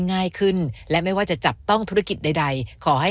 ง่ายขึ้นและไม่ว่าจะจับต้องธุรกิจใดขอให้